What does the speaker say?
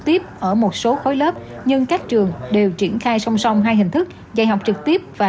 tiếp ở một số khối lớp nhưng các trường đều triển khai song song hai hình thức dạy học trực tiếp và